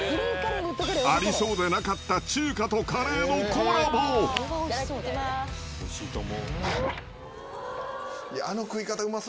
ありそうでなかった中華とカレーのコラいただきます。